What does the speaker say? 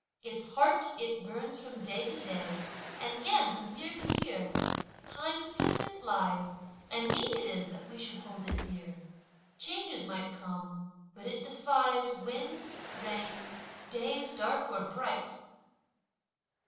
Its heart, it burns from day to day and 'gain from year to year! Time swiftly flies and mete it is that we should hold it dear! Changes might come, but it defies wind, rain, days dark or bright!